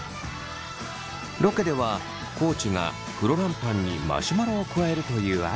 ロケでは地がフロランパンにマシュマロを加えるというアイデアを出しました。